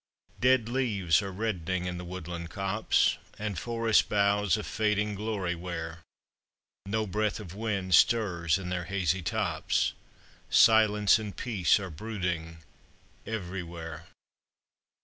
Dead leaves are reddening in the woodland copse, And forest boughs a fading glory wear; No breath of wind stirs in their hazy tops, Silence and peace are brooding everywhere.